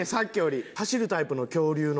走るタイプの恐竜の。